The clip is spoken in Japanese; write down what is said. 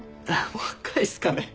若いっすかね？